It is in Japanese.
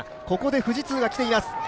ここで富士通が来ています。